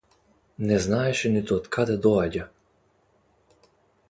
Не знаеше ниту од каде доаѓа.